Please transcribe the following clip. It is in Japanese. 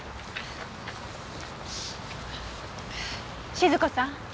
静子さん。